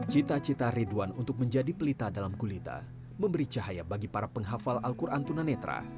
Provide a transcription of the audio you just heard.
cita cita ridwan untuk menjadi pelita dalam kulita memberi cahaya bagi para penghafal al quran tunanetra